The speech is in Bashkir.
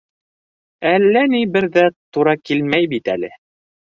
Әллә ни бер ҙә тура килмәй бит әле.